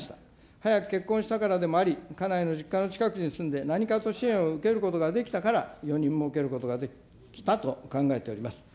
早く結婚したからでもあり、家内の実家の近くに住んで、何かと支援を受けることができたから、４人もうけることができたと考えております。